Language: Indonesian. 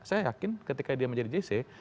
saya yakin ketika dia menjadi jc